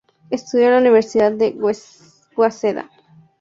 Estudió en la Universidad de Waseda.